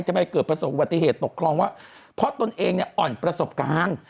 จะไปเกิดประสบวอติเหตุตกครองว่าเพราะตนเองอ่อนประสบการณ์